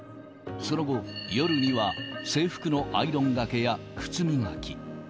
その後、夜には制服のアイロンがけや靴磨き。